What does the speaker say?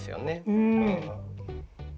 うん。